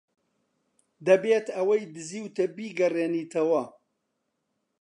دەبێت ئەوەی دزیوتە بیگەڕێنیتەوە.